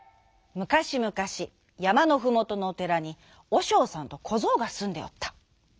むかしむかしやまのふもとのおてらにおしょうさんとこぞうがすんでおった。